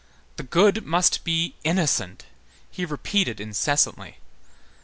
The good must be innocent, he repeated incessantly.